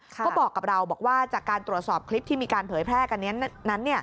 ก็บอกกับเราบอกว่าจากการตรวจสอบคลิปที่มีการเผยแพร่กันนั้น